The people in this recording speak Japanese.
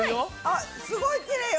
あっすごいきれいよ。